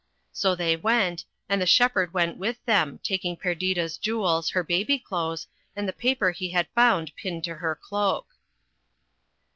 So they went, and the shepherd went with them, taking Perdita's jewels, her baby clothes, and the paper he had found pinned to her cloak.